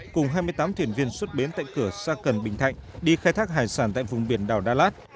cùng hai mươi tám thuyền viên xuất bến tại cửa sa cần bình thạnh đi khai thác hải sản tại vùng biển đảo đa lát